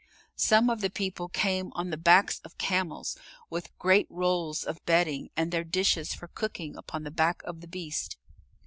Some of the people came on the backs of camels, with great rolls of bedding and their dishes for cooking upon the back of the beast.